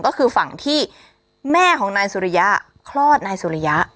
ก็คือฝั่งที่แม่ของนายสุริยะคลอดนายสุริยะ